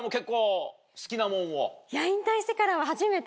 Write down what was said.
引退してからは初めて。